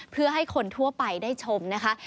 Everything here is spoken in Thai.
เพื่อให้คนทั่วไปได้ชมนะคะ